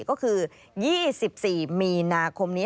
ก็คือ๒๔มีนาคมนี้